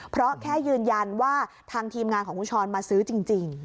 เพราะแค่ยืนยันว่าทางทีมงานของคุณชรมาซื้อจริง